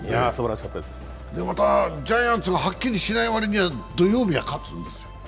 ジャイアンツがはっきりしない割には、土曜日は勝つんですよ。